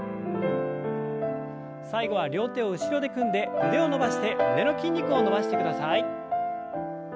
最後は両手を後ろで組んで腕を伸ばして胸の筋肉を伸ばしてください。